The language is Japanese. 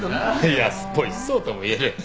安っぽいそうとも言える。